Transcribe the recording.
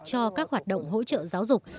cho các hoạt động hỗ trợ giáo dục